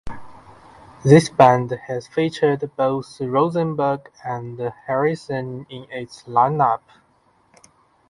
This band has featured both Rosenberg and Harrison in its line-up.